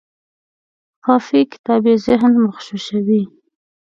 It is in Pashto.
خافي کتاب یې ذهن مغشوشوي.